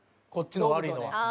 こっちの悪いのは。